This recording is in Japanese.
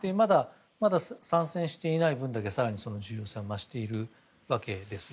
まだ参戦していない分だけ重要性が増しているわけです。